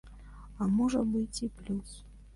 А можа быць і плюс.